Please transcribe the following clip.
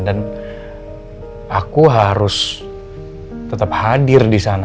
dan aku harus tetap hadir di sana